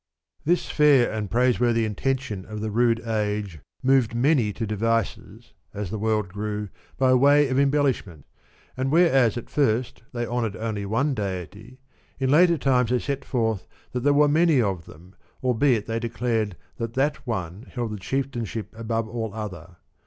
This fair and praiseworthy intention of the rude age moved many to devices, as the world grew, by way of embellishment ; and whereas at first they honoured one only deity, in later times they set forth that there were many of them, albeit they declared that that One held the chieftainship above all other.